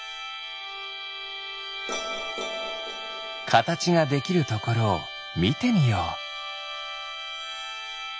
かたちができるところをみてみよう。